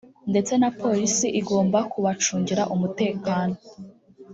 ndetse na polisi igomba kubacungira umutekano